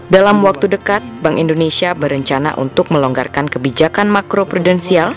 dalam waktu dekat bank indonesia berencana untuk melonggarkan kebijakan makro prudensial